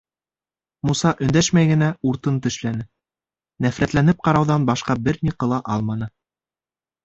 Муса өндәшмәй генә уртын тешләне, нәфрәтләнеп ҡарауҙан башҡа бер ни ҡыла алманы.